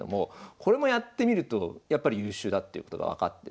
これもやってみるとやっぱり優秀だっていうことが分かってですね。